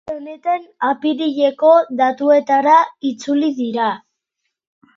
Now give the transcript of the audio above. Aste honetan, apirileko datuetara itzuli dira.